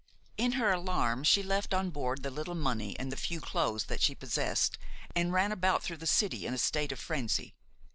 In her alarm she left on board the little money and the few clothes that she possessed, and ran about through the city in a state of frenzy.